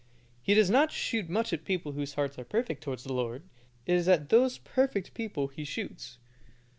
He does not shoot much at people whose hearts are perfect towards the Lord. It is at those perfect people he shoots.